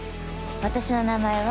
私の名前は？